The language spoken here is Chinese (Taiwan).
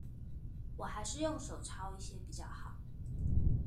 我還是用手抄一些比較好